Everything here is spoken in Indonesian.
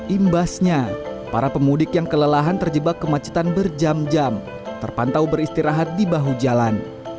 imbasnya para pemudik yang kelelahan terjebak kemacetan berjam jam terpantau beristirahat di bahu jalan